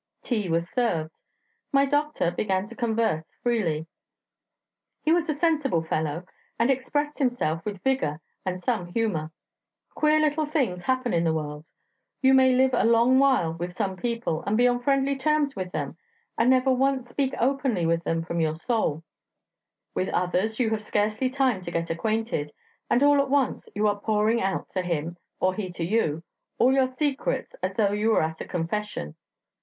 Tea was served. My doctor began to converse freely. He was a sensible fellow, and expressed himself with vigour and some humour. Queer things happen in the world: you may live a long while with some people, and be on friendly terms with them, and never once speak openly with them from your soul; with others you have scarcely time to get acquainted, and all at once you are pouring out to him or he to you all your secrets, as though you were at confession.